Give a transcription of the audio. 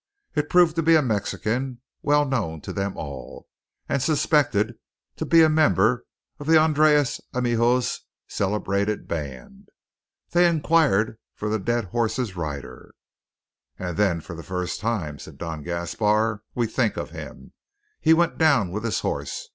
It proved to be a Mexican, well known to them all, and suspected to be a member of Andreas Amijo's celebrated band. They inquired for the dead horse's rider. "And then, for the first time," said Don Gaspar, "we think of him. He went down with his horse.